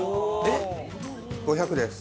５００です。